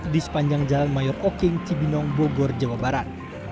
di sepanjang jalan mayor oking cibinong bogor jawa barat